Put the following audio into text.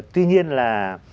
tuy nhiên là